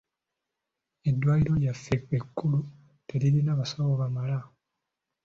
Eddwaliro lyaffe ekkulu teririna basawo bamala.